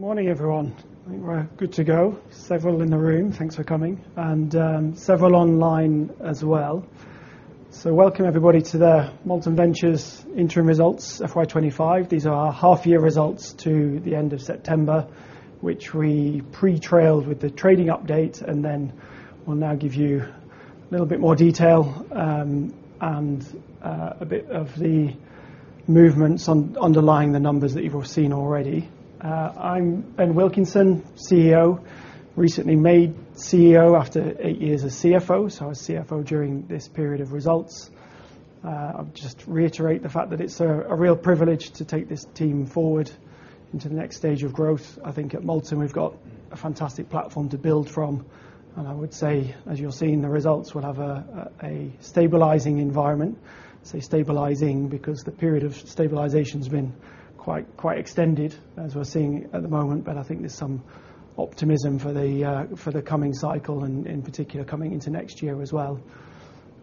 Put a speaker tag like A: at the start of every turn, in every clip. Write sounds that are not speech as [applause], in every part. A: Good morning, everyone. I think we're good to go. Several in the room, thanks for coming, and several online as well, so welcome, everybody, to the Molten Ventures interim results, FY 2025. These are our half-year results to the end of September, which we pre-trailed with the trading update, and then we'll now give you a little bit more detail and a bit of the movements underlying the numbers that you've all seen already. I'm Ben Wilkinson, CEO, recently made CEO after eight years as CFO, so I was CFO during this period of results. I'll just reiterate the fact that it's a real privilege to take this team forward into the next stage of growth. I think at Molten we've got a fantastic platform to build from, and I would say, as you're seeing the results, we'll have a stabilizing environment. I say stabilizing because the period of stabilization has been quite extended, as we're seeing at the moment. But I think there's some optimism for the coming cycle, and in particular coming into next year as well.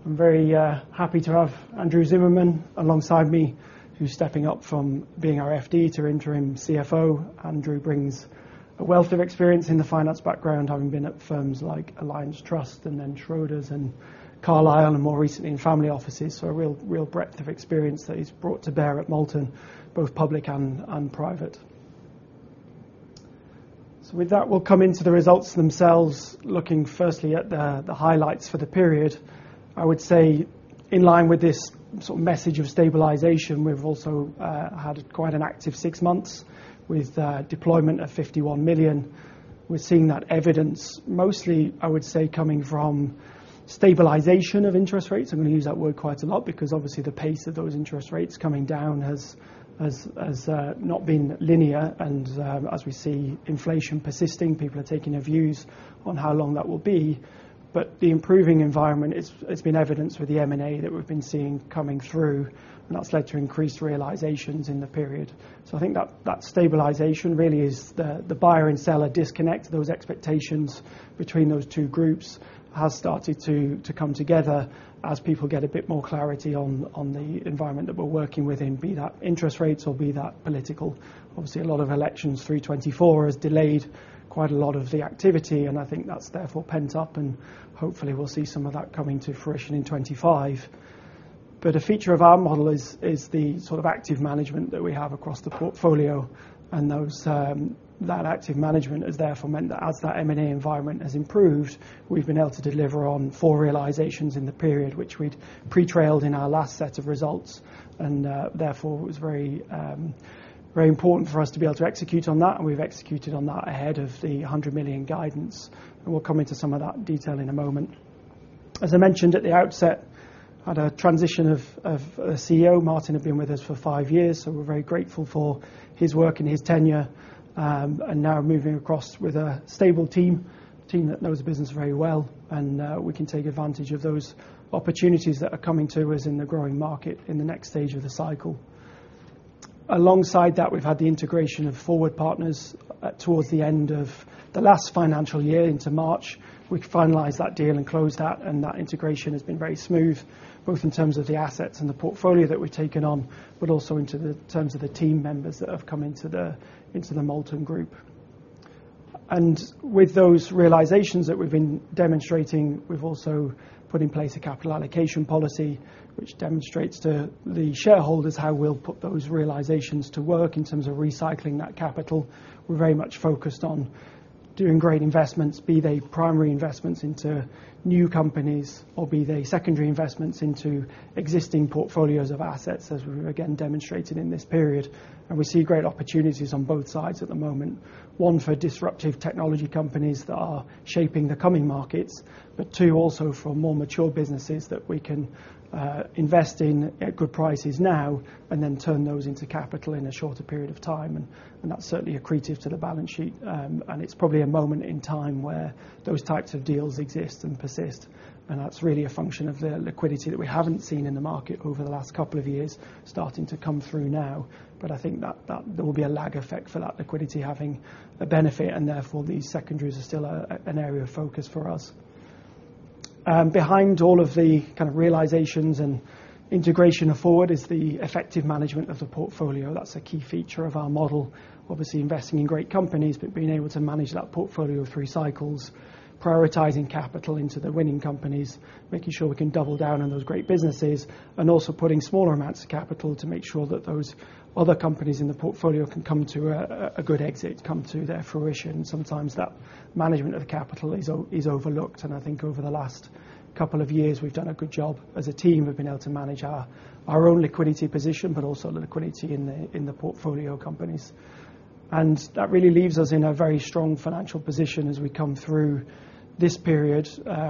A: I'm very happy to have Andrew Zimmermann alongside me, who's stepping up from being our FD to Interim CFO. Andrew brings a wealth of experience in the finance background, having been at firms like Alliance Trust and then Schroders and Carlyle, and more recently in family offices, so a real breadth of experience that he's brought to bear at Molten, both public and private, so with that, we'll come into the results themselves, looking firstly at the highlights for the period. I would say, in line with this sort of message of stabilization, we've also had quite an active six months with deployment of 51 million. We're seeing that evidence mostly, I would say, coming from stabilization of interest rates. I'm going to use that word quite a lot because obviously the pace of those interest rates coming down has not been linear. And as we see inflation persisting, people are taking their views on how long that will be. But the improving environment, it's been evidenced with the M&A that we've been seeing coming through. And that's led to increased realizations in the period. So I think that stabilization really is the buyer and seller disconnect, those expectations between those two groups has started to come together as people get a bit more clarity on the environment that we're working within, be that interest rates or be that political. Obviously, a lot of elections through 2024 has delayed quite a lot of the activity. And I think that's therefore pent up. Hopefully we'll see some of that coming to fruition in 2025. But a feature of our model is the sort of active management that we have across the portfolio. And that active management has therefore meant that as that M&A environment has improved, we've been able to deliver on four realizations in the period, which we'd pre-signaled in our last set of results. And therefore it was very important for us to be able to execute on that. And we've executed on that ahead of the 100 million guidance. And we'll come into some of that detail in a moment. As I mentioned at the outset, we had a transition of the CEO. Martin had been with us for five years. So we're very grateful for his work and his tenure. And now moving across with a stable team, a team that knows the business very well. We can take advantage of those opportunities that are coming to us in the growing market in the next stage of the cycle. Alongside that, we've had the integration of Forward Partners towards the end of the last financial year into March. We finalized that deal and closed that. That integration has been very smooth, both in terms of the assets and the portfolio that we've taken on, but also in terms of the team members that have come into the Molten group. With those realizations that we've been demonstrating, we've also put in place a capital allocation policy, which demonstrates to the shareholders how we'll put those realizations to work in terms of recycling that capital. We're very much focused on doing great investments, be they primary investments into new companies or be they secondary investments into existing portfolios of assets, as we've again demonstrated in this period. And we see great opportunities on both sides at the moment. One for disruptive technology companies that are shaping the coming markets, but two also for more mature businesses that we can invest in at good prices now and then turn those into capital in a shorter period of time. And that's certainly accretive to the balance sheet. And it's probably a moment in time where those types of deals exist and persist. And that's really a function of the liquidity that we haven't seen in the market over the last couple of years starting to come through now. But I think that there will be a lag effect for that liquidity having a benefit. And therefore these secondaries are still an area of focus for us. Behind all of the kind of realizations and Forward integration is the effective management of the portfolio. That's a key feature of our model. Obviously investing in great companies, but being able to manage that portfolio through cycles, prioritizing capital into the winning companies, making sure we can double down on those great businesses, and also putting smaller amounts of capital to make sure that those other companies in the portfolio can come to a good exit, come to their fruition. Sometimes that management of the capital is overlooked. And I think over the last couple of years we've done a good job as a team. We've been able to manage our own liquidity position, but also the liquidity in the portfolio companies. That really leaves us in a very strong financial position as we come through this period.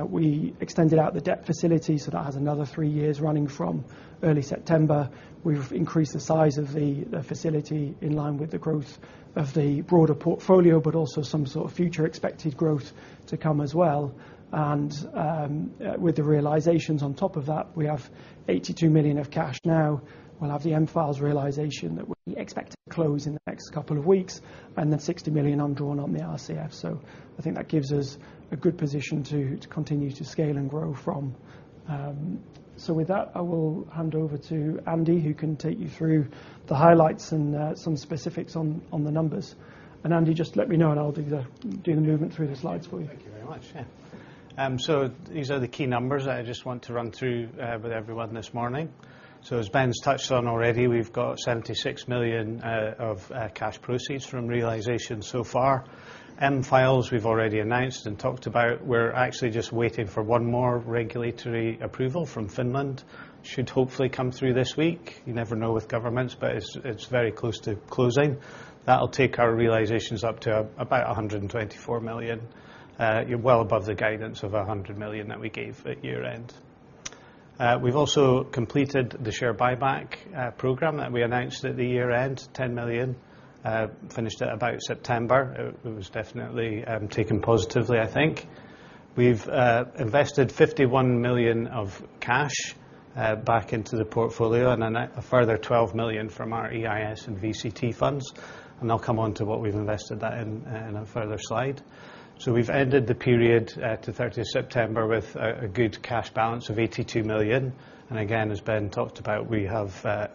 A: We extended out the debt facility. That has another three years running from early September. We've increased the size of the facility in line with the growth of the broader portfolio, but also some sort of future expected growth to come as well. With the realizations on top of that, we have 82 million of cash now. We'll have the M-Files realization that we expect to close in the next couple of weeks, and then 60 million undrawn on the RCF, so I think that gives us a good position to continue to scale and grow from, so with that, I will hand over to Andy, who can take you through the highlights and some specifics on the numbers. Andy, just let me know and I'll do the movement through the slides for you.
B: Thank you very much. Yeah. So these are the key numbers that I just want to run through with everyone this morning. So as Ben's touched on already, we've got 76 million of cash proceeds from realizations so far. M-Files we've already announced and talked about. We're actually just waiting for one more regulatory approval from Finland. Should hopefully come through this week. You never know with governments, but it's very close to closing. That'll take our realizations up to about 124 million. We're well above the guidance of 100 million that we gave at year-end. We've also completed the share buyback program that we announced at the year-end, 10 million. Finished it about September. It was definitely taken positively, I think. We've invested 51 million of cash back into the portfolio and then a further 12 million from our EIS and VCT funds. I'll come on to what we've invested that in on a further slide. We've ended the period to 30 September with a good cash balance of 82 million. Again, as Ben talked about, we have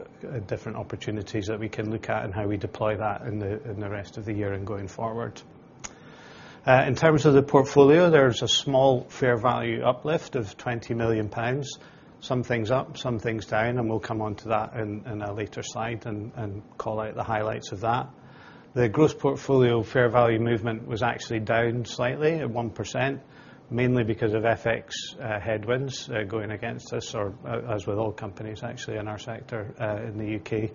B: different opportunities that we can look at and how we deploy that in the rest of the year and going forward. In terms of the portfolio, there's a small fair value uplift of 20 million pounds. Some things up, some things down. We'll come on to that in a later slide and call out the highlights of that. The gross portfolio fair value movement was actually down slightly at 1%, mainly because of FX headwinds going against us, or as with all companies actually in our sector in the U.K.,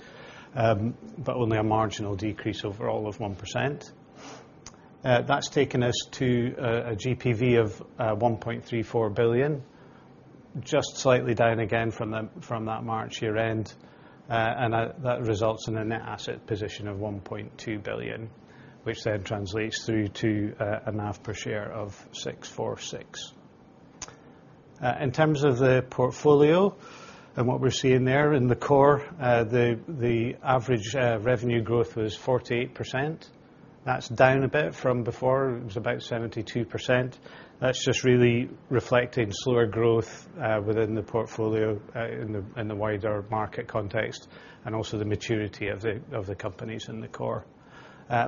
B: but only a marginal decrease overall of 1%. That's taken us to a GPV of 1.34 billion, just slightly down again from that March year-end. And that results in a net asset position of 1.2 billion, which then translates through to a NAV per share of 646. In terms of the portfolio and what we're seeing there in the core, the average revenue growth was 48%. That's down a bit from before. It was about 72%. That's just really reflecting slower growth within the portfolio in the wider market context and also the maturity of the companies in the core.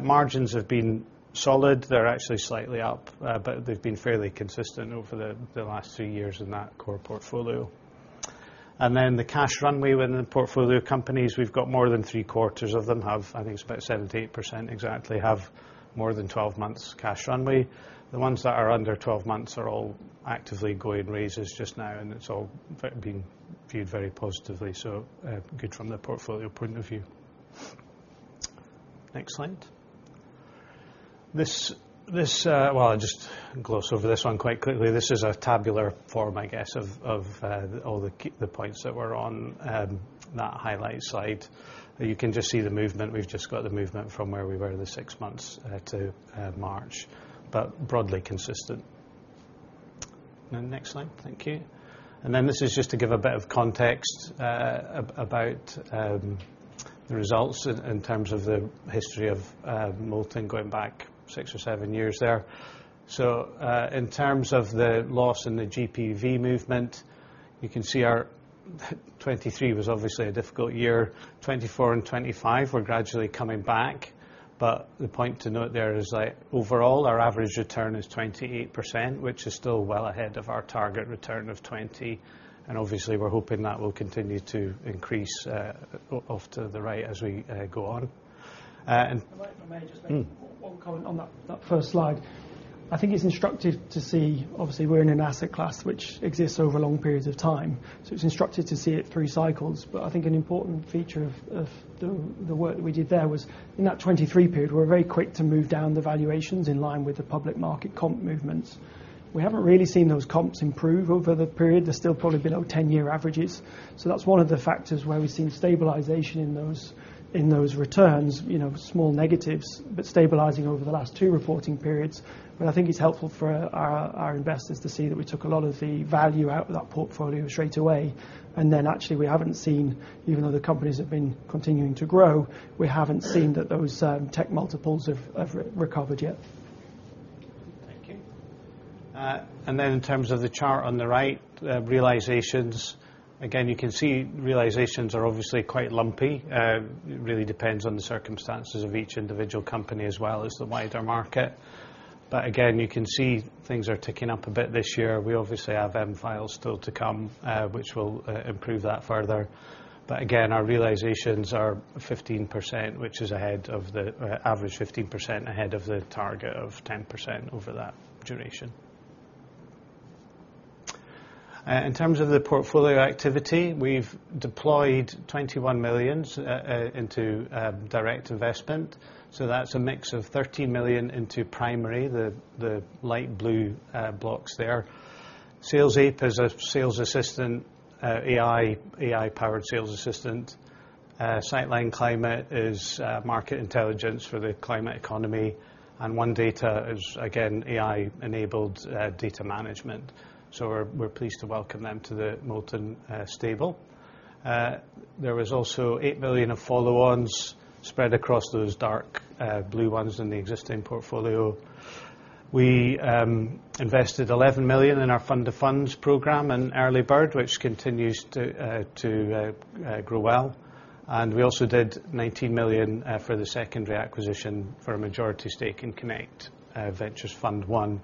B: Margins have been solid. They're actually slightly up, but they've been fairly consistent over the last three years in that core portfolio. And then the cash runway within the portfolio companies, we've got more than three quarters of them have, I think it's about 78% exactly, have more than 12 months cash runway. The ones that are under 12 months are all actively going raises just now. And it's all been viewed very positively. So good from the portfolio point of view. Next slide. Well, I'll just gloss over this one quite quickly. This is a tabular form, I guess, of all the points that were on that highlight slide. You can just see the movement. We've just got the movement from where we were the six months to March, but broadly consistent. And next slide. Thank you. And then this is just to give a bit of context about the results in terms of the history of Molten going back six or seven years there. So in terms of the loss and the GPV movement, you can see our 2023 was obviously a difficult year. 2024 and 2025 were gradually coming back. But the point to note there is that overall our average return is 28%, which is still well ahead of our target return of 20%. And obviously we're hoping that will continue to increase off to the right as we go on.
A: If I may just make one comment on that first slide. I think it's instructive to see, obviously we're in an asset class which exists over long periods of time, so it's instructive to see it through cycles. But I think an important feature of the work that we did there was in that 2023 period, we were very quick to move down the valuations in line with the public market comp movements. We haven't really seen those comps improve over the period. They're still probably at 10-year averages. So that's one of the factors where we've seen stabilization in those returns, small negatives, but stabilizing over the last two reporting periods. But I think it's helpful for our investors to see that we took a lot of the value out of that portfolio straight away. And then actually we haven't seen, even though the companies have been continuing to grow, we haven't seen that those tech multiples have recovered yet.
B: Thank you. And then in terms of the chart on the right, realizations. Again, you can see realizations are obviously quite lumpy. It really depends on the circumstances of each individual company as well as the wider market. But again, you can see things are ticking up a bit this year. We obviously have M-Files still to come, which will improve that further. But again, our realizations are 15%, which is ahead of the average 15%, ahead of the target of 10% over that duration. In terms of the portfolio activity, we've deployed 21 million into direct investment. So that's a mix of 13 million into primary, the light blue blocks there. SalesAPE is a sales assistant, AI-powered sales assistant. Sightline Climate is market intelligence for the climate economy. And One Data is, again, AI-enabled data management. So we're pleased to welcome them to the Molten stable. There was also 8 million of follow-ons spread across those dark blue ones in the existing portfolio. We invested 11 million in our fund-of-funds program in Earlybird, which continues to grow well. We also did 19 million for the secondary acquisition for a majority stake in Connect Ventures Fund I,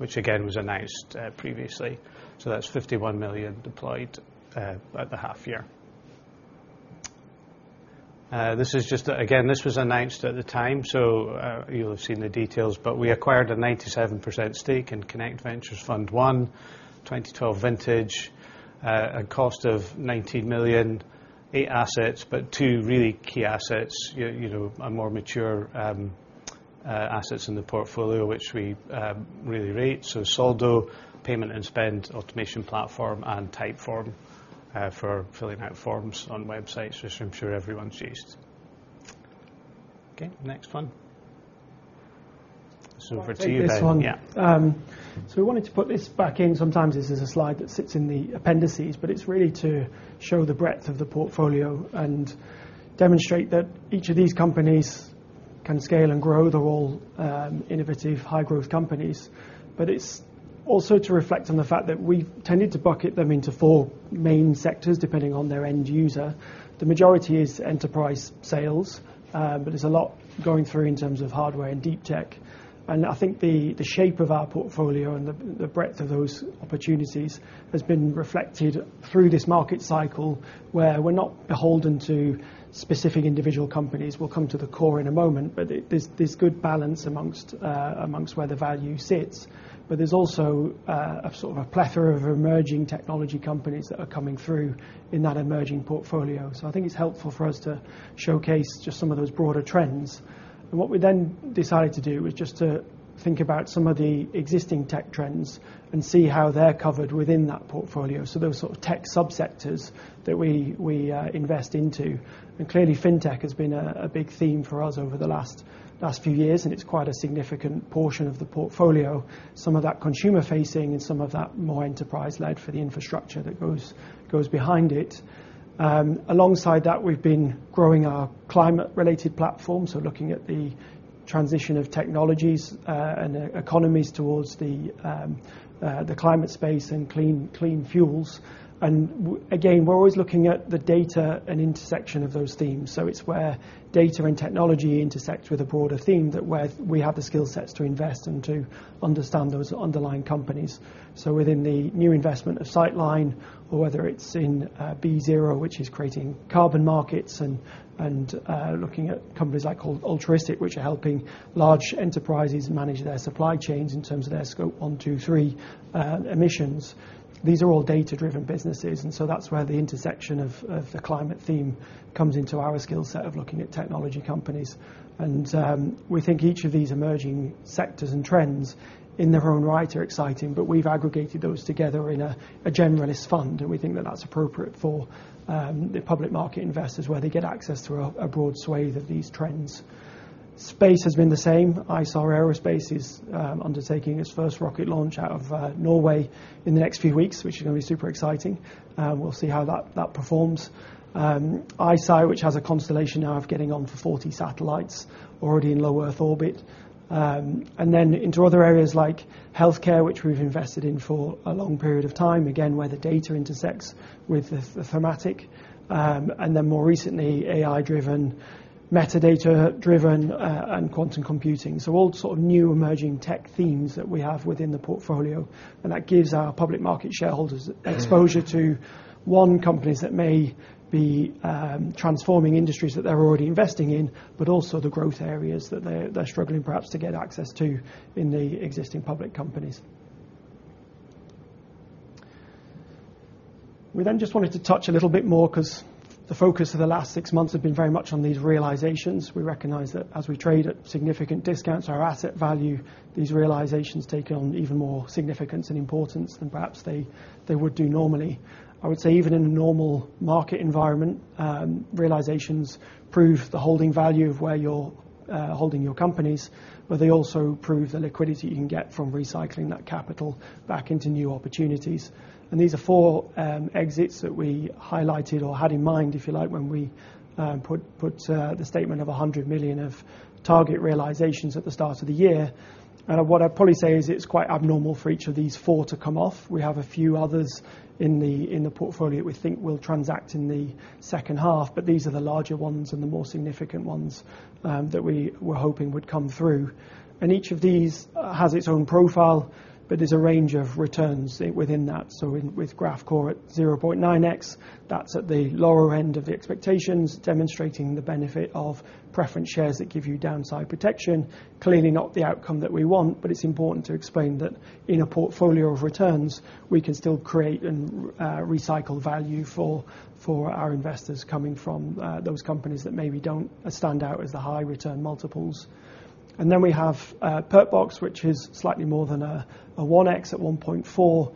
B: which again was announced previously. That's 51 million deployed at the half year. This is just, again, this was announced at the time. You'll have seen the details. We acquired a 97% stake in Connect Ventures Fund I, 2012 Vintage, a cost of 19 million, eight assets, but two really key assets, a more mature assets in the portfolio, which we really rate. Soldo, payment and spend automation platform, and Typeform for filling out forms on websites, which I'm sure everyone's used. Okay. Next one. [crosstalk] Over to you, Ben.
A: Thank you, Andy. So we wanted to put this back in. Sometimes this is a slide that sits in the appendices, but it's really to show the breadth of the portfolio and demonstrate that each of these companies can scale and grow. They're all innovative, high-growth companies. But it's also to reflect on the fact that we've tended to bucket them into four main sectors depending on their end user. The majority is enterprise sales, but there's a lot going through in terms of hardware and deep tech. And I think the shape of our portfolio and the breadth of those opportunities has been reflected through this market cycle where we're not beholden to specific individual companies. We'll come to the core in a moment, but there's good balance among where the value sits. But there's also a sort of a plethora of emerging technology companies that are coming through in that emerging portfolio. So I think it's helpful for us to showcase just some of those broader trends, and what we then decided to do was just to think about some of the existing tech trends and see how they're covered within that portfolio, so those sort of tech subsectors that we invest into. And clearly fintech has been a big theme for us over the last few years, and it's quite a significant portion of the portfolio, some of that consumer-facing and some of that more enterprise-led for the infrastructure that goes behind it. Alongside that, we've been growing our climate-related platform, so looking at the transition of technologies and economies towards the climate space and clean fuels. And again, we're always looking at the data and intersection of those themes. It's where data and technology intersects with a broader theme that's where we have the skill sets to invest and to understand those underlying companies. Within the new investment of Sightline, or whether it's in BeZero, which is creating carbon markets and looking at companies like Altruistiq, which are helping large enterprises manage their supply chains in terms of their Scope 1, 2, 3 emissions. These are all data-driven businesses. That's where the intersection of the climate theme comes into our skill set of looking at technology companies. We think each of these emerging sectors and trends in their own right are exciting, but we've aggregated those together in a generalist fund. We think that that's appropriate for the public market investors where they get access to a broad sway of these trends. Space has been the same. Isar Aerospace is undertaking its first rocket launch out of Norway in the next few weeks, which is going to be super exciting. We'll see how that performs. ICEYE, which has a constellation now of getting on for 40 satellites, already in low Earth orbit. Then into other areas like healthcare, which we've invested in for a long period of time, again, where the data intersects with the thematic. Then more recently, AI-driven, metadata-driven, and quantum computing. All sort of new emerging tech themes that we have within the portfolio. That gives our public market shareholders exposure to own companies that may be transforming industries that they're already investing in, but also the growth areas that they're struggling perhaps to get access to in the existing public companies. We then just wanted to touch a little bit more because the focus of the last six months has been very much on these realizations. We recognize that as we trade at significant discounts to our asset value, these realizations take on even more significance and importance than perhaps they would do normally. I would say even in a normal market environment, realizations prove the holding value of where you're holding your companies, but they also prove the liquidity you can get from recycling that capital back into new opportunities, and these are four exits that we highlighted or had in mind, if you like, when we put the statement of 100 million of target realizations at the start of the year, and what I'd probably say is it's quite abnormal for each of these four to come off. We have a few others in the portfolio that we think will transact in the second half, but these are the larger ones and the more significant ones that we were hoping would come through, and each of these has its own profile, but there's a range of returns within that, so with Graphcore at 0.9x, that's at the lower end of the expectations, demonstrating the benefit of preference shares that give you downside protection. Clearly not the outcome that we want, but it's important to explain that in a portfolio of returns, we can still create and recycle value for our investors coming from those companies that maybe don't stand out as the high return multiples, and then we have Perkbox, which is slightly more than a 1x at 1.4.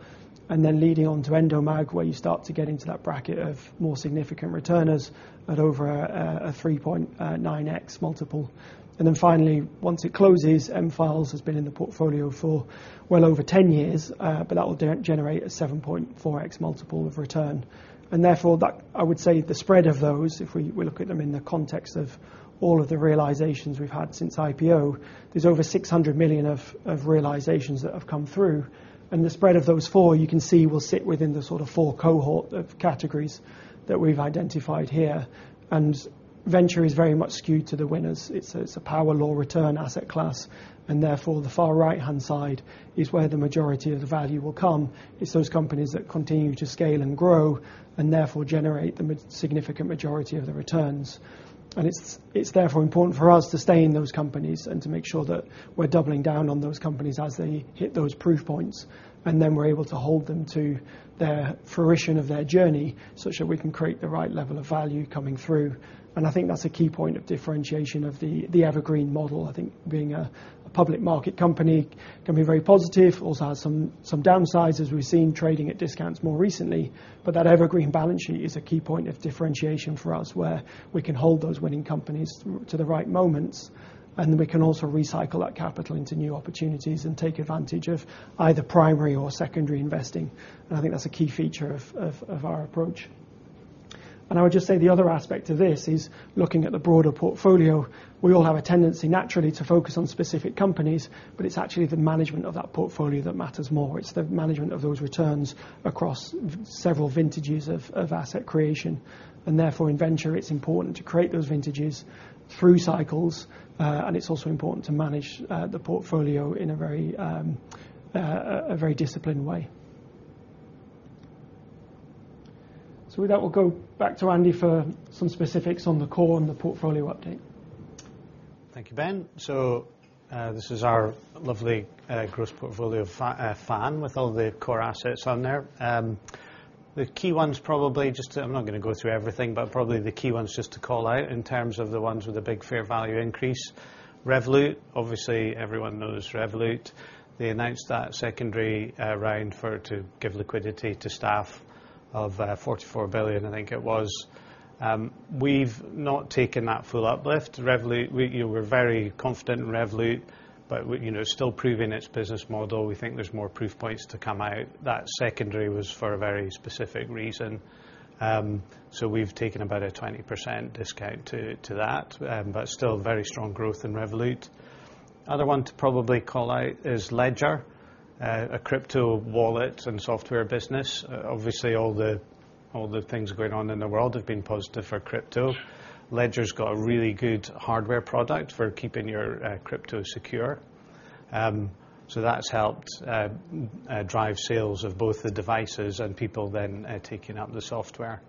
A: And then leading on to Endomag, where you start to get into that bracket of more significant returners at over a 3.9x multiple. And then finally, once it closes, M-Files has been in the portfolio for well over 10 years, but that will generate a 7.4x multiple of return. And therefore, I would say the spread of those, if we look at them in the context of all of the realizations we've had since IPO, there's over 600 million of realizations that have come through. And the spread of those four, you can see will sit within the sort of four cohort of categories that we've identified here. And venture is very much skewed to the winners. It's a power law return asset class. And therefore, the far right-hand side is where the majority of the value will come. It's those companies that continue to scale and grow and therefore generate the significant majority of the returns. And it's therefore important for us to stay in those companies and to make sure that we're doubling down on those companies as they hit those proof points. And then we're able to hold them to their fruition of their journey such that we can create the right level of value coming through. And I think that's a key point of differentiation of the evergreen model. I think being a public market company can be very positive. It also has some downsides as we've seen trading at discounts more recently. But that evergreen balance sheet is a key point of differentiation for us where we can hold those winning companies to the right moments. And then we can also recycle that capital into new opportunities and take advantage of either primary or secondary investing. And I think that's a key feature of our approach. And I would just say the other aspect of this is looking at the broader portfolio. We all have a tendency naturally to focus on specific companies, but it's actually the management of that portfolio that matters more. It's the management of those returns across several vintages of asset creation. And therefore, in venture, it's important to create those vintages through cycles. And it's also important to manage the portfolio in a very disciplined way. So with that, we'll go back to Andy for some specifics on the core and the portfolio update.
B: Thank you, Ben. So this is our lovely gross portfolio of GPV with all the core assets on there. The key ones probably just to, I'm not going to go through everything, but probably the key ones just to call out in terms of the ones with a big fair value increase. Revolut, obviously everyone knows Revolut. They announced that secondary round to give liquidity to staff of $44 billion, I think it was. We've not taken that full uplift. Revolut, we're very confident in Revolut, but still proving its business model. We think there's more proof points to come out. That secondary was for a very specific reason. So we've taken about a 20% discount to that, but still very strong growth in Revolut. Other one to probably call out is Ledger, a crypto wallet and software business. Obviously, all the things going on in the world have been positive for crypto. Ledger's got a really good hardware product for keeping your crypto secure, so that's helped drive sales of both the devices and people then taking up the software.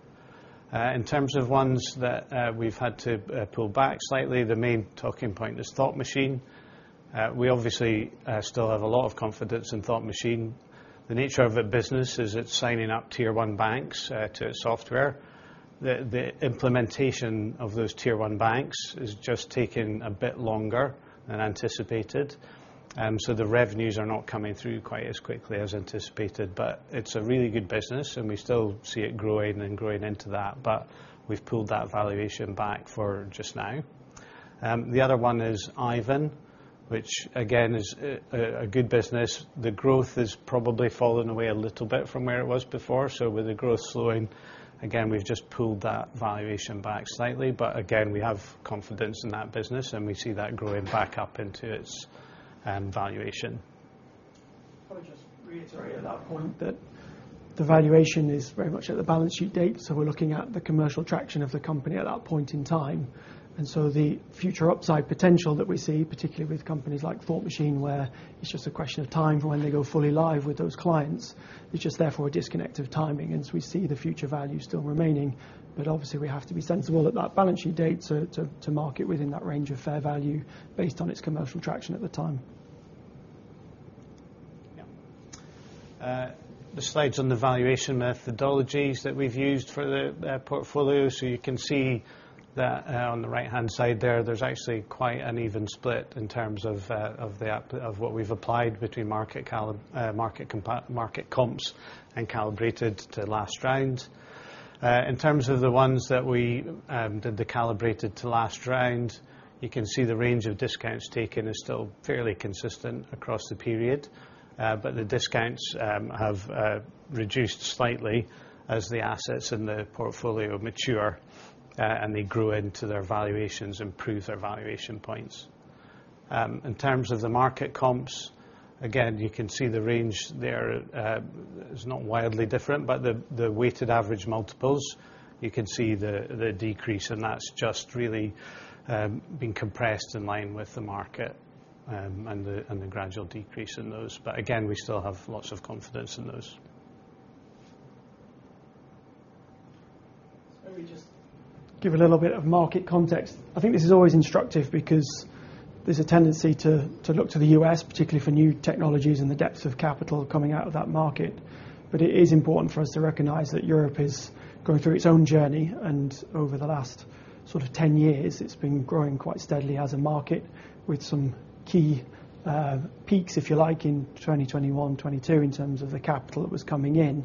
B: In terms of ones that we've had to pull back slightly, the main talking point is Thought Machine. We obviously still have a lot of confidence in Thought Machine. The nature of the business is it's signing up tier one banks to its software. The implementation of those tier one banks is just taking a bit longer than anticipated, so the revenues are not coming through quite as quickly as anticipated, but it's a really good business and we still see it growing and growing into that, but we've pulled that valuation back for just now. The other one is Aiven, which again is a good business. The growth has probably fallen away a little bit from where it was before. So with the growth slowing, again, we've just pulled that valuation back slightly, but again, we have confidence in that business and we see that growing back up into its valuation.
A: I would just reiterate at that point that the valuation is very much at the balance sheet date. So we're looking at the commercial traction of the company at that point in time. And so the future upside potential that we see, particularly with companies like Thought Machine, where it's just a question of time for when they go fully live with those clients, it's just therefore a disconnect of timing. And so we see the future value still remaining, but obviously we have to be sensible at that balance sheet date to market within that range of fair value based on its commercial traction at the time.
B: Yeah. The slides on the valuation methodologies that we've used for the portfolio. So you can see that on the right-hand side there, there's actually quite an even split in terms of what we've applied between market comps and calibrated to last round. In terms of the ones that we did the calibrated to last round, you can see the range of discounts taken is still fairly consistent across the period, but the discounts have reduced slightly as the assets in the portfolio mature and they grow into their valuations and prove their valuation points. In terms of the market comps, again, you can see the range there is not wildly different, but the weighted average multiples, you can see the decrease and that's just really been compressed in line with the market and the gradual decrease in those. But again, we still have lots of confidence in those.
A: Let me just give a little bit of market context. I think this is always instructive because there's a tendency to look to the U.S., particularly for new technologies and the depths of capital coming out of that market, but it is important for us to recognize that Europe is going through its own journey, and over the last sort of 10 years, it's been growing quite steadily as a market with some key peaks, if you like, in 2021, 2022 in terms of the capital that was coming in.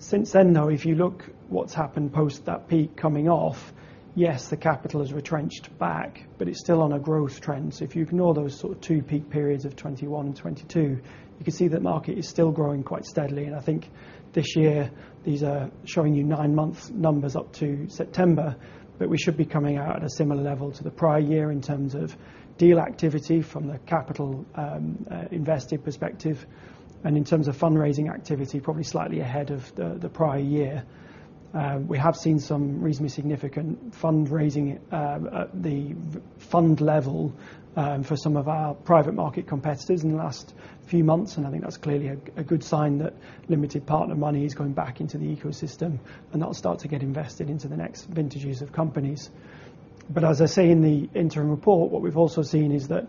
A: Since then, though, if you look at what's happened post that peak coming off, yes, the capital has retrenched back, but it's still on a growth trend, so if you ignore those sort of two peak periods of 2021 and 2022, you can see that the market is still growing quite steadily. And I think this year these are showing you nine-month numbers up to September, but we should be coming out at a similar level to the prior year in terms of deal activity from the capital invested perspective. And in terms of fundraising activity, probably slightly ahead of the prior year. We have seen some reasonably significant fundraising at the fund level for some of our private market competitors in the last few months. And I think that's clearly a good sign that limited partner money is going back into the ecosystem and that'll start to get invested into the next vintages of companies. But as I say in the Interim Report, what we've also seen is that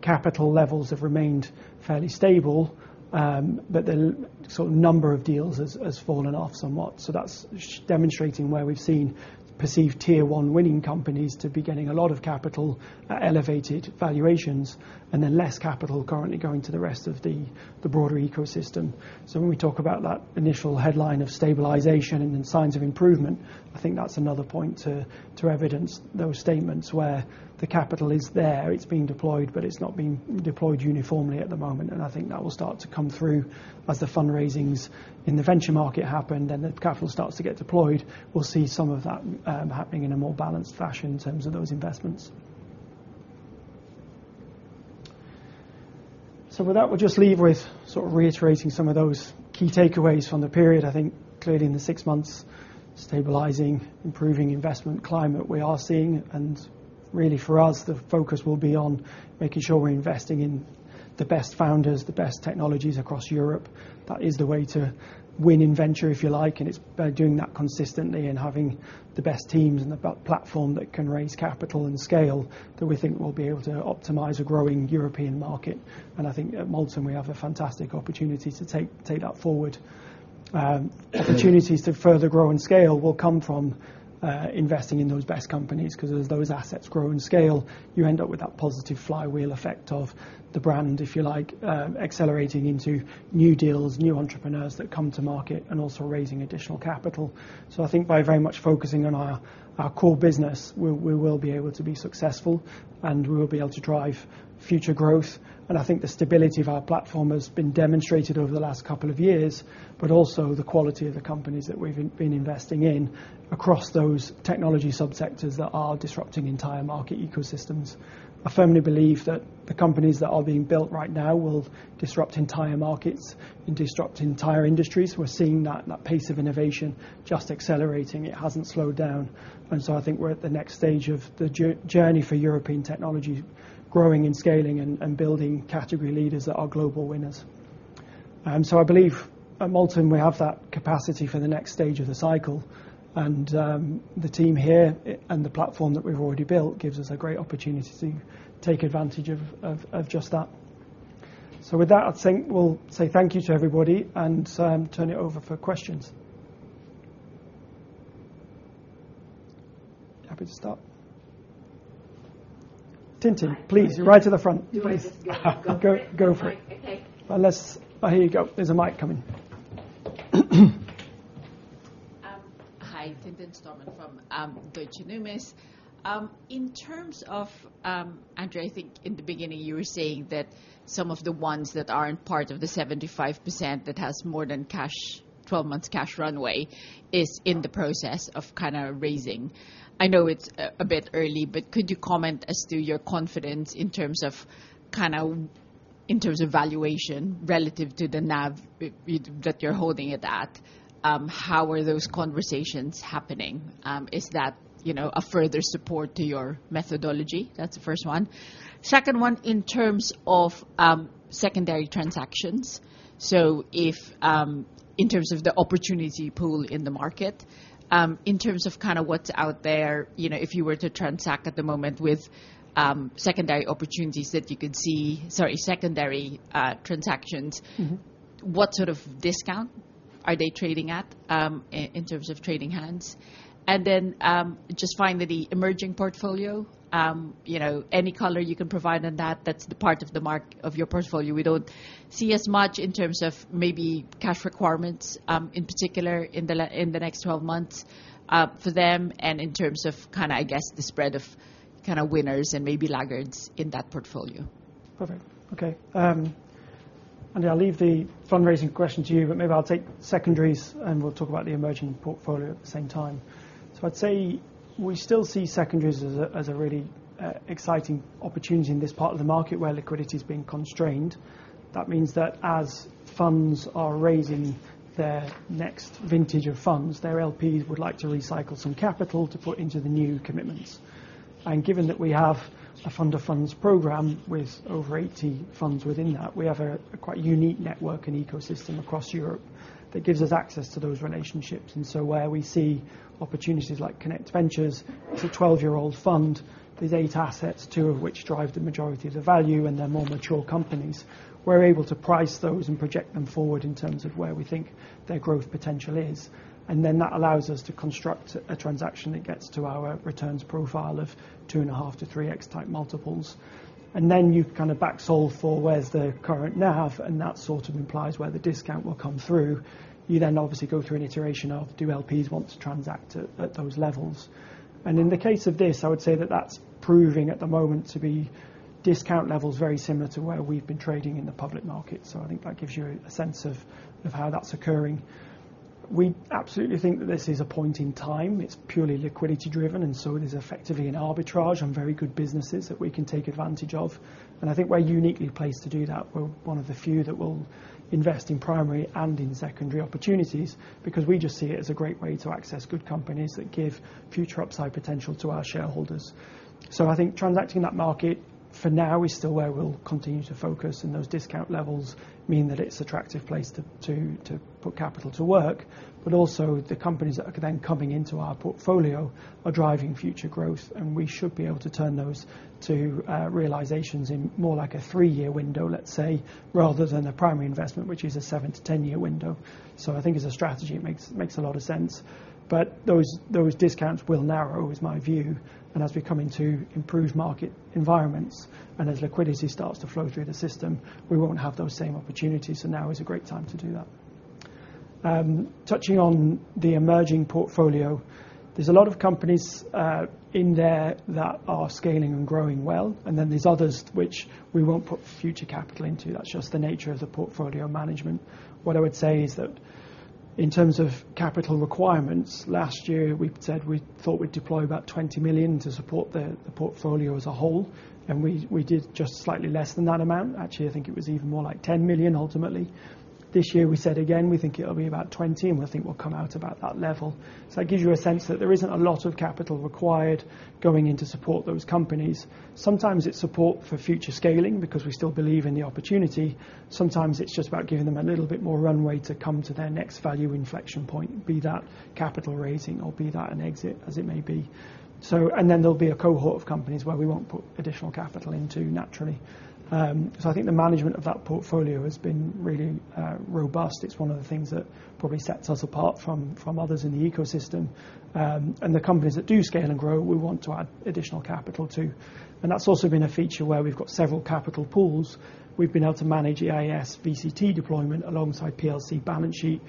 A: capital levels have remained fairly stable, but the sort of number of deals has fallen off somewhat. So that's demonstrating where we've seen perceived tier one winning companies to be getting a lot of capital at elevated valuations and then less capital currently going to the rest of the broader ecosystem. So when we talk about that initial headline of stabilization and then signs of improvement, I think that's another point to evidence those statements where the capital is there, it's being deployed, but it's not being deployed uniformly at the moment, and I think that will start to come through as the fundraisings in the venture market happen and the capital starts to get deployed. We'll see some of that happening in a more balanced fashion in terms of those investments, so with that, we'll just leave with sort of reiterating some of those key takeaways from the period. I think clearly in the six months, stabilizing, improving investment climate we are seeing. Really for us, the focus will be on making sure we're investing in the best founders, the best technologies across Europe. That is the way to win in venture, if you like. It's by doing that consistently and having the best teams and the platform that can raise capital and scale that we think we'll be able to optimize a growing European market. I think at Molten, we have a fantastic opportunity to take that forward. Opportunities to further grow and scale will come from investing in those best companies because as those assets grow and scale, you end up with that positive flywheel effect of the brand, if you like, accelerating into new deals, new entrepreneurs that come to market and also raising additional capital. So I think by very much focusing on our core business, we will be able to be successful and we will be able to drive future growth. And I think the stability of our platform has been demonstrated over the last couple of years, but also the quality of the companies that we've been investing in across those technology subsectors that are disrupting entire market ecosystems. I firmly believe that the companies that are being built right now will disrupt entire markets and disrupt entire industries. We're seeing that pace of innovation just accelerating. It hasn't slowed down. And so I think we're at the next stage of the journey for European technology, growing and scaling and building category leaders that are global winners. So I believe at Molten, we have that capacity for the next stage of the cycle. The team here and the platform that we've already built gives us a great opportunity to take advantage of just that. With that, I think we'll say thank you to everybody and turn it over for questions. Happy to start. Tintin, please, right to the front.
C: Yes.
A: Go for it.
C: Okay.
A: Here you go. There's a mic coming.
C: Hi, Tintin Stormont from Deutsche Numis. In terms of, Andrew, I think in the beginning you were saying that some of the ones that aren't part of the 75% that has more than 12 months cash runway is in the process of kind of raising. I know it's a bit early, but could you comment as to your confidence in terms of kind of in terms of valuation relative to the NAV that you're holding it at? How are those conversations happening? Is that a further support to your methodology? That's the first one. Second one, in terms of secondary transactions. So in terms of the opportunity pool in the market, in terms of kind of what's out there, if you were to transact at the moment with secondary opportunities that you could see, sorry, secondary transactions, what sort of discount are they trading at in terms of trading hands? And then just finally, the emerging portfolio, any color you can provide on that, that's the latter part of your portfolio. We don't see as much in terms of maybe cash requirements in particular in the next 12 months for them and in terms of kind of, I guess, the spread of kind of winners and maybe laggards in that portfolio.
A: Perfect. Okay. And I'll leave the fundraising question to you, but maybe I'll take secondaries and we'll talk about the emerging portfolio at the same time. So I'd say we still see secondaries as a really exciting opportunity in this part of the market where liquidity is being constrained. That means that as funds are raising their next vintage of funds, their LPs would like to recycle some capital to put into the new commitments. And given that we have a fund of funds program with over 80 funds within that, we have a quite unique network and ecosystem across Europe that gives us access to those relationships. And so where we see opportunities like Connect Ventures, it's a 12-year-old fund, there's eight assets, two of which drive the majority of the value and they're more mature companies. We're able to price those and project them forward in terms of where we think their growth potential is. And then that allows us to construct a transaction that gets to our returns profile of two and a half to three x-type multiples. And then you kind of back-solve for where's the current NAV and that sort of implies where the discount will come through. You then obviously go through an iteration of do LPs want to transact at those levels. And in the case of this, I would say that that's proving at the moment to be discount levels very similar to where we've been trading in the public market. So I think that gives you a sense of how that's occurring. We absolutely think that this is a point in time. It's purely liquidity driven and so it is effectively an arbitrage on very good businesses that we can take advantage of. And I think we're uniquely placed to do that. We're one of the few that will invest in primary and in secondary opportunities because we just see it as a great way to access good companies that give future upside potential to our shareholders. So I think transacting that market for now is still where we'll continue to focus and those discount levels mean that it's an attractive place to put capital to work, but also the companies that are then coming into our portfolio are driving future growth and we should be able to turn those to realizations in more like a three-year window, let's say, rather than a primary investment, which is a seven to ten-year window. So I think as a strategy, it makes a lot of sense. But those discounts will narrow, is my view. And as we come into improved market environments and as liquidity starts to flow through the system, we won't have those same opportunities. So now is a great time to do that. Touching on the emerging portfolio, there's a lot of companies in there that are scaling and growing well. And then there's others which we won't put future capital into. That's just the nature of the portfolio management. What I would say is that in terms of capital requirements, last year we said we thought we'd deploy about 20 million to support the portfolio as a whole. And we did just slightly less than that amount. Actually, I think it was even more like 10 million ultimately. This year we said again, we think it'll be about 20 and we think we'll come out about that level. So that gives you a sense that there isn't a lot of capital required going into support those companies. Sometimes it's support for future scaling because we still believe in the opportunity. Sometimes it's just about giving them a little bit more runway to come to their next value inflection point, be that capital raising or be that an exit as it may be. And then there'll be a cohort of companies where we won't put additional capital into naturally. So I think the management of that portfolio has been really robust. It's one of the things that probably sets us apart from others in the ecosystem. And the companies that do scale and grow, we want to add additional capital to. That's also been a feature where we've got several capital pools. We've been able to manage EIS/VCT deployment alongside PLC balance sheet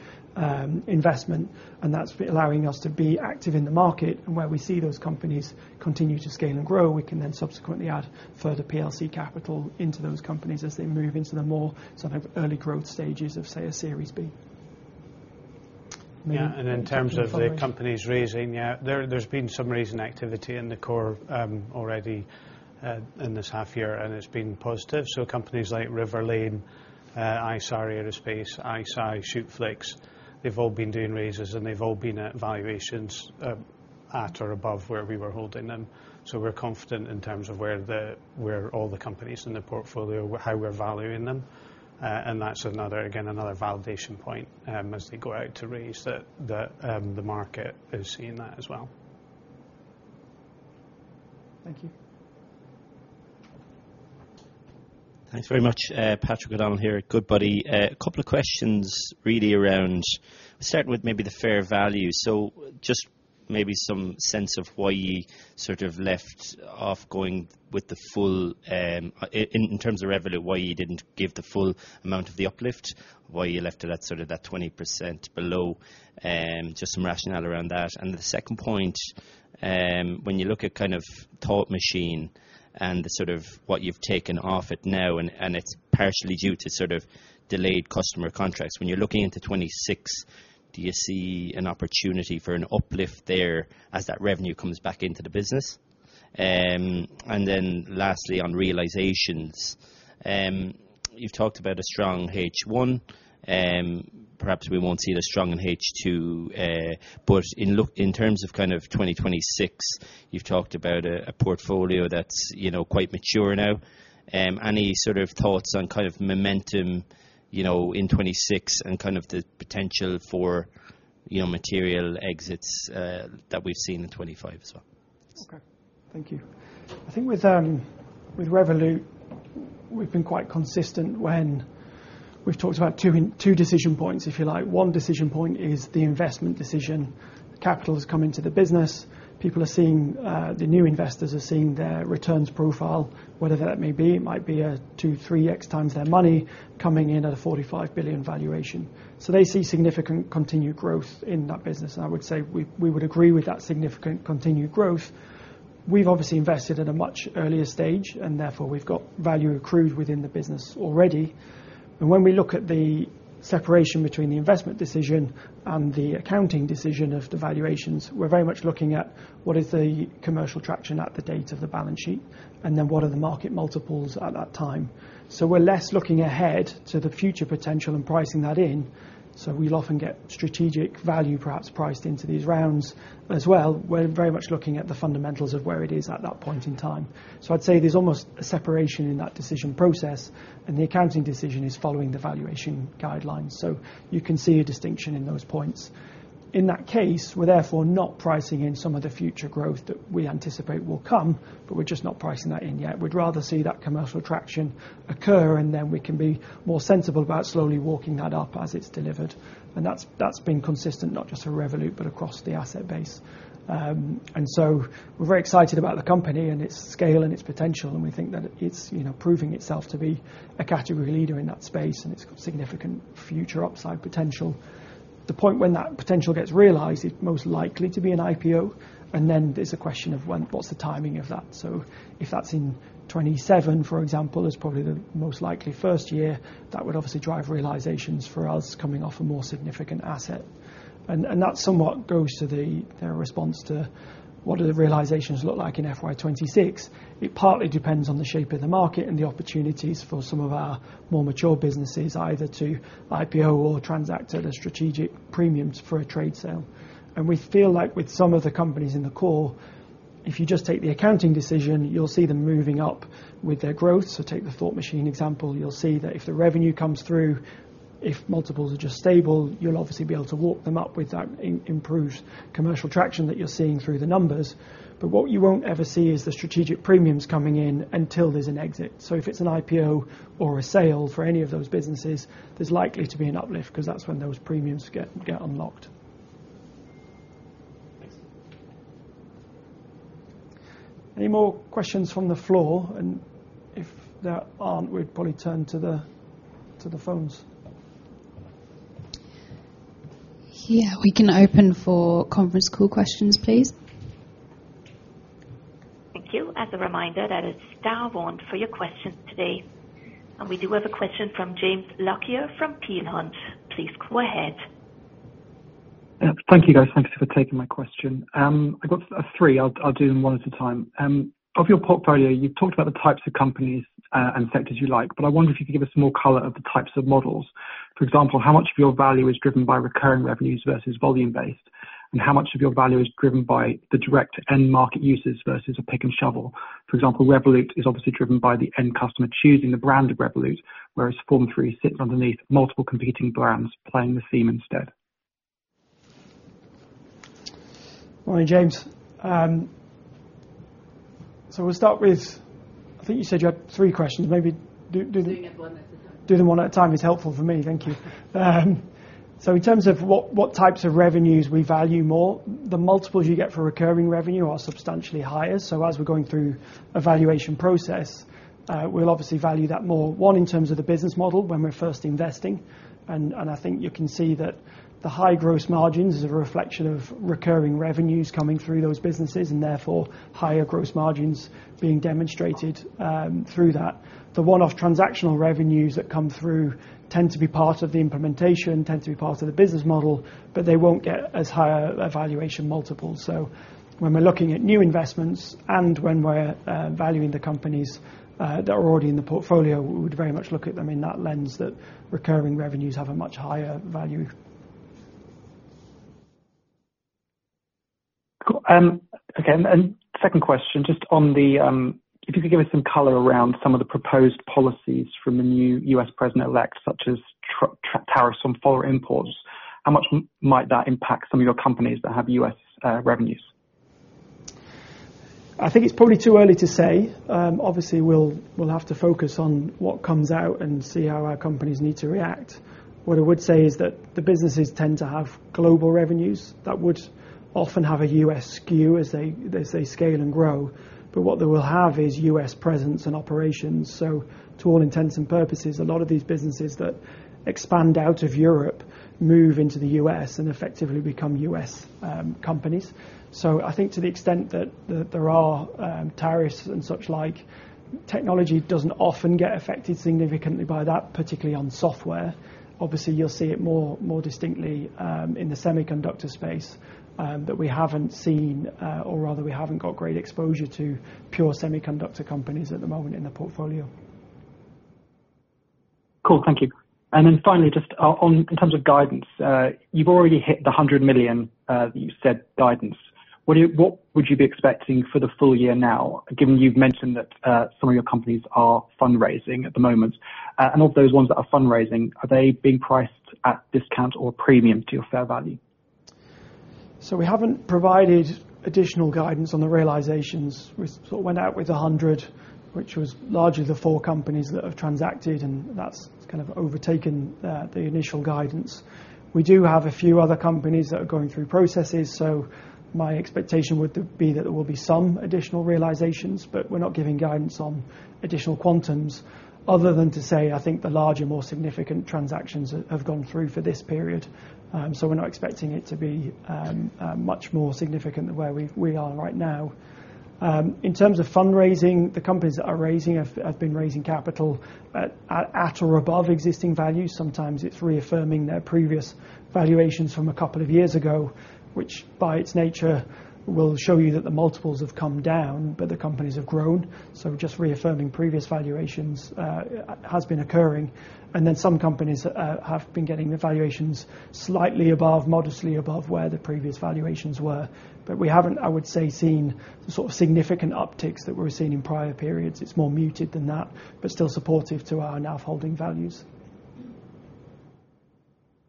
A: investment. That's allowing us to be active in the market. Where we see those companies continue to scale and grow, we can then subsequently add further PLC capital into those companies as they move into the more sort of early growth stages of, say, a Series B.
B: Yeah. And in terms of the companies raising, yeah, there's been some raising activity in the core already in this half year and it's been positive. So companies like Riverlane, Isar Aerospace, ICEYE, Schuttflix, they've all been doing raises and they've all been at valuations at or above where we were holding them. So we're confident in terms of where all the companies in the portfolio, how we're valuing them. And that's another, again, another validation point as they go out to raise that the market is seeing that as well.
C: Thank you.
D: Thanks very much. Patrick O'Donnell here, Goodbody. A couple of questions really around starting with maybe the fair value. So just maybe some sense of why you sort of left off going with the full in terms of revenue, why you didn't give the full amount of the uplift, why you left it at sort of that 20% below, just some rationale around that. And the second point, when you look at kind of Thought Machine and the sort of what you've taken off it now and it's partially due to sort of delayed customer contracts, when you're looking into 2026, do you see an opportunity for an uplift there as that revenue comes back into the business? And then lastly, on realizations, you've talked about a strong H1. Perhaps we won't see it as strong in H2, but in terms of kind of 2026, you've talked about a portfolio that's quite mature now. Any sort of thoughts on kind of momentum in 2026 and kind of the potential for material exits that we've seen in 2025 as well?
A: Okay. Thank you. I think with Revolut, we've been quite consistent when we've talked about two decision points, if you like. One decision point is the investment decision. Capital has come into the business. People are seeing the new investors are seeing their returns profile, whether that may be, it might be a two, 3X times their money coming in at a $45 billion valuation. So they see significant continued growth in that business. And I would say we would agree with that significant continued growth. We've obviously invested at a much earlier stage and therefore we've got value accrued within the business already. And when we look at the separation between the investment decision and the accounting decision of the valuations, we're very much looking at what is the commercial traction at the date of the balance sheet and then what are the market multiples at that time. So we're less looking ahead to the future potential and pricing that in. So we'll often get strategic value perhaps priced into these rounds as well. We're very much looking at the fundamentals of where it is at that point in time. So I'd say there's almost a separation in that decision process and the accounting decision is following the valuation guidelines. So you can see a distinction in those points. In that case, we're therefore not pricing in some of the future growth that we anticipate will come, but we're just not pricing that in yet. We'd rather see that commercial traction occur and then we can be more sensible about slowly walking that up as it's delivered. And that's been consistent, not just for Revolut, but across the asset base. And so we're very excited about the company and its scale and its potential. We think that it's proving itself to be a category leader in that space and it's got significant future upside potential. The point when that potential gets realized is most likely to be an IPO. And then there's a question of what's the timing of that. So if that's in 2027, for example, is probably the most likely first year, that would obviously drive realizations for us coming off a more significant asset. And that somewhat goes to their response to what do the realizations look like in FY 2026. It partly depends on the shape of the market and the opportunities for some of our more mature businesses either to IPO or transact at a strategic premium for a trade sale. And we feel like with some of the companies in the core, if you just take the accounting decision, you'll see them moving up with their growth. So take the Thought Machine example. You'll see that if the revenue comes through, if multiples are just stable, you'll obviously be able to walk them up with that improved commercial traction that you're seeing through the numbers. But what you won't ever see is the strategic premiums coming in until there's an exit. So if it's an IPO or a sale for any of those businesses, there's likely to be an uplift because that's when those premiums get unlocked. Any more questions from the floor? And if there aren't, we'd probably turn to the phones.
E: Yeah, we can open for conference call questions, please. Thank you. As a reminder, that is star one for your questions today. And we do have a question from James Lockyer from Peel Hunt. Please go ahead.
F: Thank you, guys. Thanks for taking my question. I've got three. I'll do them one at a time. Of your portfolio, you've talked about the types of companies and sectors you like, but I wonder if you could give us more color on the types of models. For example, how much of your value is driven by recurring revenues versus volume-based? And how much of your value is driven by the direct end market uses versus a pick and shovel? For example, Revolut is obviously driven by the end customer choosing the brand of Revolut, whereas Typeform sits underneath multiple competing brands playing the theme instead.
A: Morning, James. So we'll start with, I think you said you had three questions. Maybe do them.
C: Doing it one at a time.
A: Doing them one at a time is helpful for me. Thank you. So in terms of what types of revenues we value more, the multiples you get for recurring revenue are substantially higher. So as we're going through a valuation process, we'll obviously value that more, one in terms of the business model when we're first investing. And I think you can see that the high gross margins are a reflection of recurring revenues coming through those businesses and therefore higher gross margins being demonstrated through that. The one-off transactional revenues that come through tend to be part of the implementation, tend to be part of the business model, but they won't get as high a valuation multiple. So when we're looking at new investments and when we're valuing the companies that are already in the portfolio, we would very much look at them in that lens that recurring revenues have a much higher value.
F: Okay. And second question, just on the, if you could give us some color around some of the proposed policies from the new U.S. president-elect, such as tariffs on foreign imports, how much might that impact some of your companies that have U.S. revenues?
A: I think it's probably too early to say. Obviously, we'll have to focus on what comes out and see how our companies need to react. What I would say is that the businesses tend to have global revenues that would often have a U.S. skew as they scale and grow. But what they will have is U.S. presence and operations. So to all intents and purposes, a lot of these businesses that expand out of Europe move into the U.S. and effectively become U.S. companies. So I think to the extent that there are tariffs and such like, technology doesn't often get affected significantly by that, particularly on software. Obviously, you'll see it more distinctly in the semiconductor space that we haven't seen, or rather we haven't got great exposure to pure semiconductor companies at the moment in the portfolio.
F: Cool. Thank you. And then finally, just in terms of guidance, you've already hit the 100 million that you said guidance. What would you be expecting for the full year now, given you've mentioned that some of your companies are fundraising at the moment? And of those ones that are fundraising, are they being priced at discount or premium to your fair value?
A: We haven't provided additional guidance on the realizations. We sort of went out with 100, which was largely the four companies that have transacted, and that's kind of overtaken the initial guidance. We do have a few other companies that are going through processes. My expectation would be that there will be some additional realizations, but we're not giving guidance on additional quantums other than to say, I think the larger, more significant transactions have gone through for this period. We're not expecting it to be much more significant than where we are right now. In terms of fundraising, the companies that are raising have been raising capital at or above existing values. Sometimes it's reaffirming their previous valuations from a couple of years ago, which by its nature will show you that the multiples have come down, but the companies have grown. So, just reaffirming previous valuations has been occurring, and then some companies have been getting the valuations slightly above, modestly above where the previous valuations were. But we haven't, I would say, seen the sort of significant upticks that we're seeing in prior periods. It's more muted than that, but still supportive to our NAV holding values.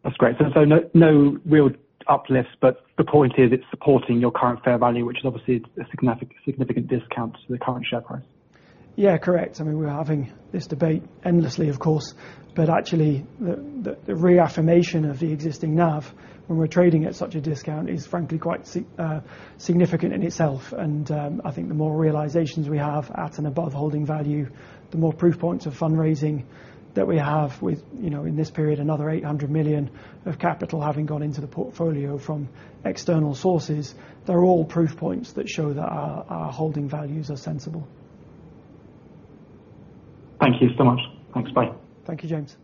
F: That's great. So no real uplift, but the point is it's supporting your current fair value, which is obviously a significant discount to the current share price.
A: Yeah, correct. I mean, we're having this debate endlessly, of course, but actually the reaffirmation of the existing NAV when we're trading at such a discount is frankly quite significant in itself. And I think the more realizations we have at and above holding value, the more proof points of fundraising that we have within this period, another 800 million of capital having gone into the portfolio from external sources, they're all proof points that show that our holding values are sensible.
F: Thank you so much. Thanks. Bye.
A: Thank you, James.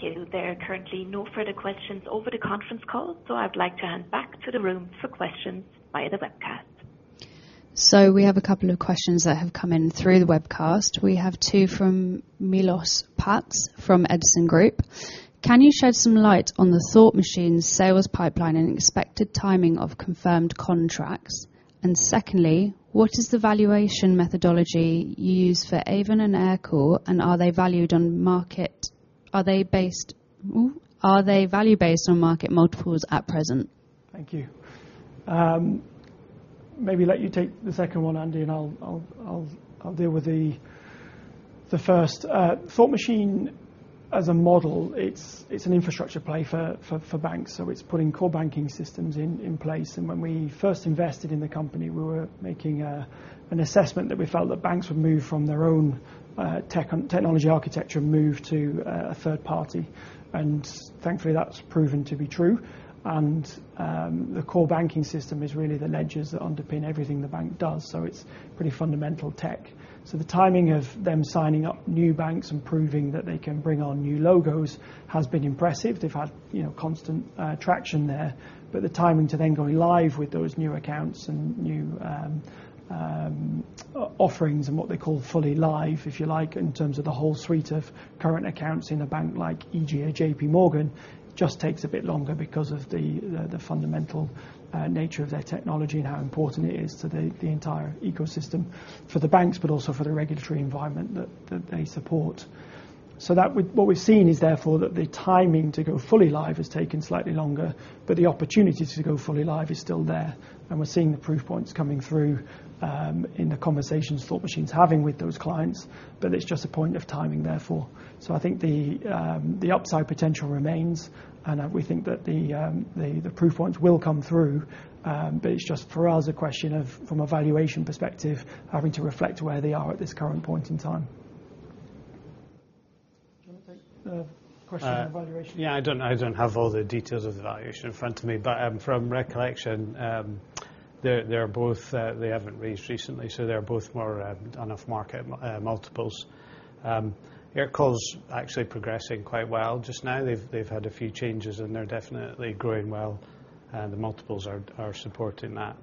E: Thank you. There are currently no further questions over the conference call, so I'd like to hand back to the room for questions via the webcast. We have a couple of questions that have come in through the webcast. We have two from Milosz Papst from Edison Group. Can you shed some light on the Thought Machine sales pipeline and expected timing of confirmed contracts, and are they valued on market? Are they value-based on market multiples at present?
A: Thank you. Maybe let you take the second one, Andy, and I'll deal with the first. Thought Machine as a model, it's an infrastructure play for banks. So it's putting core banking systems in place. And when we first invested in the company, we were making an assessment that we felt that banks would move from their own technology architecture and move to a third party. And thankfully, that's proven to be true. And the core banking system is really the ledgers that underpin everything the bank does. So it's pretty fundamental tech. So the timing of them signing up new banks and proving that they can bring on new logos has been impressive. They've had constant traction there. But the timing to then go live with those new accounts and new offerings and what they call fully live, if you like, in terms of the whole suite of current accounts in a bank like ING or J.P. Morgan just takes a bit longer because of the fundamental nature of their technology and how important it is to the entire ecosystem for the banks, but also for the regulatory environment that they support. So what we've seen is therefore that the timing to go fully live has taken slightly longer, but the opportunity to go fully live is still there. And we're seeing the proof points coming through in the conversations Thought Machine's having with those clients, but it's just a point of timing therefore. So I think the upside potential remains, and we think that the proof points will come through, but it's just for us a question of, from a valuation perspective, having to reflect where they are at this current point in time. Do you want to take the question on valuation?
B: Yeah, I don't have all the details of the valuation in front of me, but from recollection, they haven't raised recently, so they're both more on off-market multiples. Aircall's actually progressing quite well just now. They've had a few changes and they're definitely growing well, and the multiples are supporting that.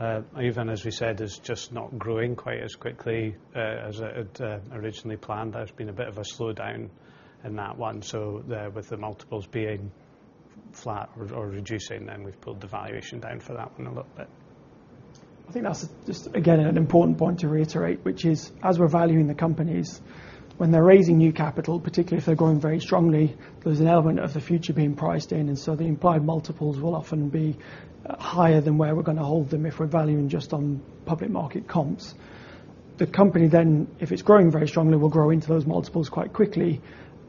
B: Aiven, as we said, is just not growing quite as quickly as it originally planned. There's been a bit of a slowdown in that one. So with the multiples being flat or reducing, then we've pulled the valuation down for that one a little bit.
A: I think that's just, again, an important point to reiterate, which is as we're valuing the companies, when they're raising new capital, particularly if they're going very strongly, there's an element of the future being priced in. And so the implied multiples will often be higher than where we're going to hold them if we're valuing just on public market comps. The company then, if it's growing very strongly, will grow into those multiples quite quickly.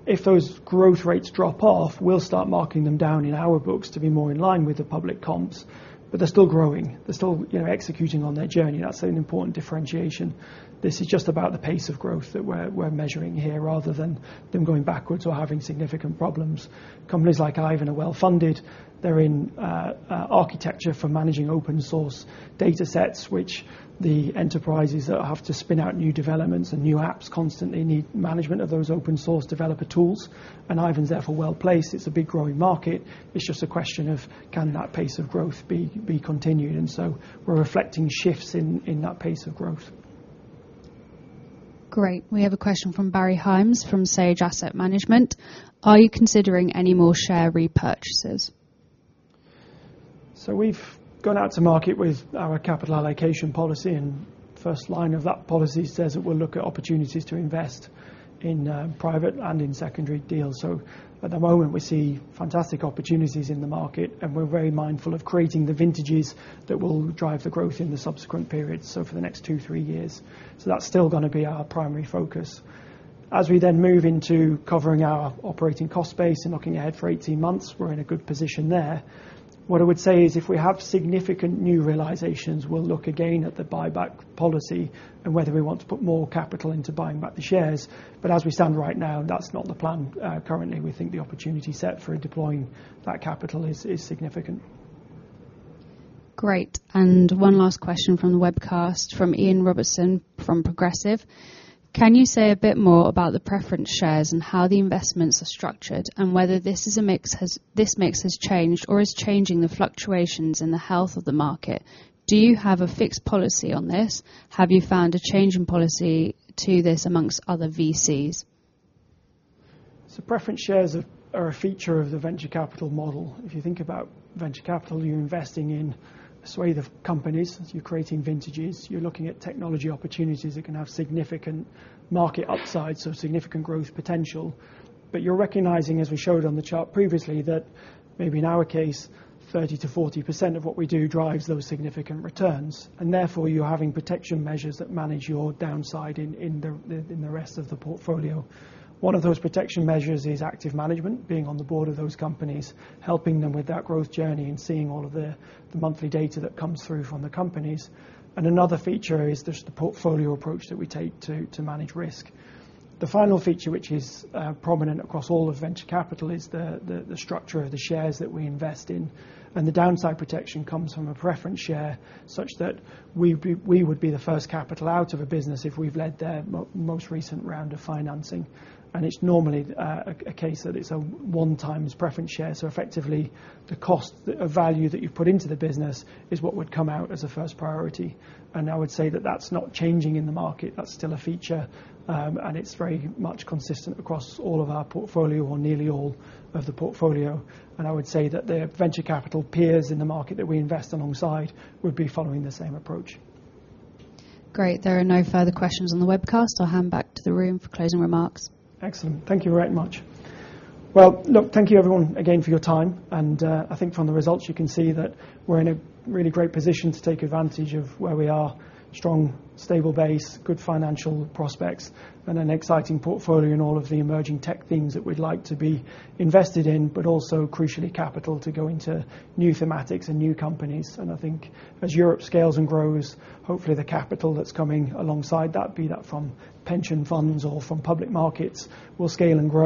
A: If those growth rates drop off, we'll start marking them down in our books to be more in line with the public comps, but they're still growing. They're still executing on their journey. That's an important differentiation. This is just about the pace of growth that we're measuring here rather than them going backwards or having significant problems. Companies like Aiven are well-funded.
B: They're in architecture for managing open-source data sets, which the enterprises that have to spin out new developments and new apps constantly need management of those open-source developer tools, and Aiven's therefore well-placed. It's a big growing market. It's just a question of can that pace of growth be continued, and so we're reflecting shifts in that pace of growth.
E: Great. We have a question from Barry Hymes from Seed Asset Management. Are you considering any more share repurchases?
A: So we've gone out to market with our capital allocation policy, and first line of that policy says that we'll look at opportunities to invest in private and in secondary deals. So at the moment, we see fantastic opportunities in the market, and we're very mindful of creating the vintages that will drive the growth in the subsequent periods, so for the next two, three years. So that's still going to be our primary focus. As we then move into covering our operating cost base and looking ahead for 18 months, we're in a good position there. What I would say is if we have significant new realizations, we'll look again at the buyback policy and whether we want to put more capital into buying back the shares. But as we stand right now, that's not the plan currently. We think the opportunity set for deploying that capital is significant.
E: Great. And one last question from the webcast from Ian Robertson from Progressive. Can you say a bit more about the preference shares and how the investments are structured and whether this mix has changed or is changing the fluctuations in the health of the market? Do you have a fixed policy on this? Have you found a change in policy to this amongst other VCs?
A: Preference shares are a feature of the venture capital model. If you think about venture capital, you're investing in a suite of companies. You're creating vintages. You're looking at technology opportunities that can have significant market upside, so significant growth potential. But you're recognizing, as we showed on the chart previously, that maybe in our case, 30%-40% of what we do drives those significant returns. And therefore, you're having protection measures that manage your downside in the rest of the portfolio. One of those protection measures is active management, being on the board of those companies, helping them with that growth journey and seeing all of the monthly data that comes through from the companies. And another feature is just the portfolio approach that we take to manage risk. The final feature, which is prominent across all of venture capital, is the structure of the shares that we invest in. And the downside protection comes from a preference share such that we would be the first capital out of a business if we've led their most recent round of financing. And it's normally a case that it's a one-time preference share. So effectively, the cost of value that you've put into the business is what would come out as a first priority. And I would say that that's not changing in the market. That's still a feature, and it's very much consistent across all of our portfolio or nearly all of the portfolio. And I would say that the venture capital peers in the market that we invest alongside would be following the same approach.
E: Great. There are no further questions on the webcast. I'll hand back to the room for closing remarks.
B: Excellent. Thank you very much. Well, look, thank you everyone again for your time. And I think from the results, you can see that we're in a really great position to take advantage of where we are: strong, stable base, good financial prospects, and an exciting portfolio in all of the emerging tech themes that we'd like to be invested in, but also crucially capital to go into new thematics and new companies. And I think as Europe scales and grows, hopefully the capital that's coming alongside that, be that from pension funds or from public markets, will scale and grow.